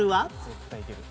絶対いける。